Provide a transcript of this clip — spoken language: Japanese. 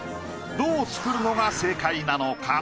どう作るのが正解なのか？